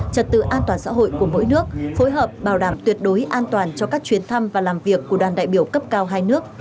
trật tự an toàn xã hội của mỗi nước phối hợp bảo đảm tuyệt đối an toàn cho các chuyến thăm và làm việc của đoàn đại biểu cấp cao hai nước